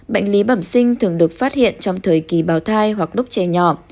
bệnh lý bẩm sinh thường được phát hiện trong thời kỳ bào thai hoặc đúc chê nhỏ